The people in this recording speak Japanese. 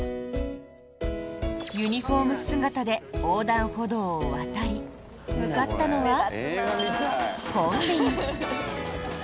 ユニホーム姿で横断歩道を渡り向かったのはコンビニ。